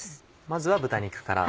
まずは豚肉から。